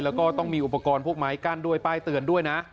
แล้วก็ต้องมีอุปกรณ์พวกไม้กั้นด้วยป้ายเตือนด้วยนะ